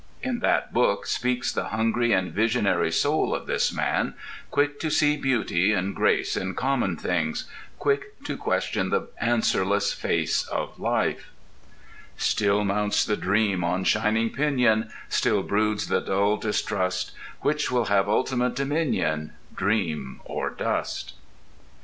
In that book speaks the hungry and visionary soul of this man, quick to see beauty and grace in common things, quick to question the answerless face of life— Still mounts the dream on shining pinion, Still broods the dull distrust; Which shall have ultimate dominion, Dream, or dust?